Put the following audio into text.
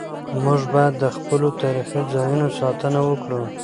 موږ باید د خپلو تاریخي ځایونو ساتنه وکړو.